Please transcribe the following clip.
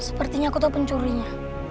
sepertinya aku itu pencurinya